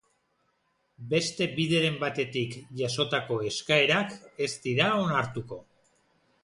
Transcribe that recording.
Beste bideren batetik jasotako eskaerak ez dira onartuko.